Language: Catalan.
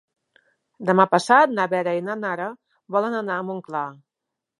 Demà passat na Vera i na Nara volen anar a Montclar.